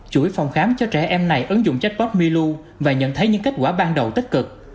chuỗi phòng khám cho trẻ em này ứng dụng chatbot milu và nhận thấy những kết quả ban đầu tích cực